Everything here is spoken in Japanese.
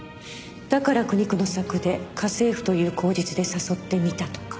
だから苦肉の策で家政婦という口実で誘ってみたとか。